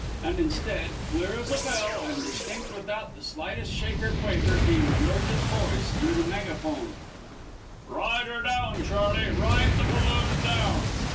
And instead, clear as a bell and distinct, without the slightest shake or quaver, came George's voice through the megaphone: "Ride her down, Charley! Ride the balloon down!"